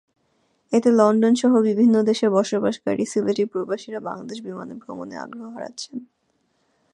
এতে লন্ডনসহ বিভিন্ন দেশে বসবাসকারী সিলেটি প্রবাসীরা বাংলাদেশ বিমানে ভ্রমণে আগ্রহ হারাচ্ছেন।